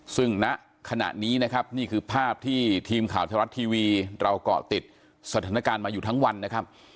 ซึ่งณขณะนี้นะครับนี่คือภาพที่ทีมข่าวไทยรัฐทีวีเราเกาะติดสถานการณ์มาอยู่ทั้งวันนะครับ